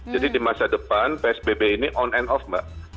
jadi di masa depan psbb ini on and off mbak